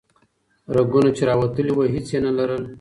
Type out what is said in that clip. رګونه چې راوتلي وو هیڅ یې نه لرل.